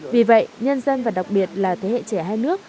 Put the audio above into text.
vì vậy nhân dân và đặc biệt là thế hệ trẻ hai nước